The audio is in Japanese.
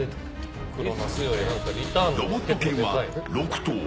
ロボット犬は６頭。